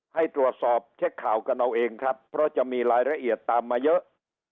ให้ตรวจสอบเช็คข่าวกันเอาเองครับเพราะจะมีรายละเอียดตามมาเยอะ